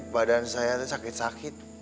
badan saya itu sakit sakit